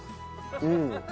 うん。